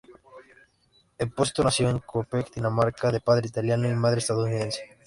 Esposito nació en Copenhague, Dinamarca, de padre italiano y madre estadounidense.